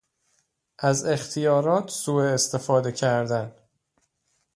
از اختیارات سوء استفاده کردن